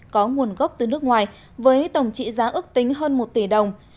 có nguồn gốc từ nước ngoài với tổng trị giá ước tính hơn một tỷ đồng